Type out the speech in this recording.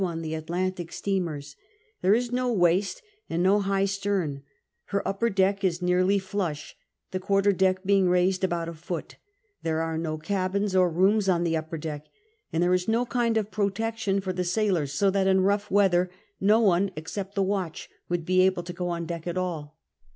on the Atlantic steamers ; there is no waist and no high stem j her upper deck is nearly flush, the quarter deck being raised about a foot ; there are no cabins or rooms on the upper deck ; and there is no kind of protection for the sailors, so that in rough weather no one except the watch would be able to go on deck at all.